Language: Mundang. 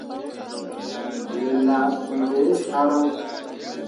Me lah suu ɓe hǝraŋ.